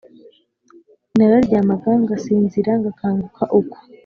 nararyamaga ngasinzira ngakanguka uko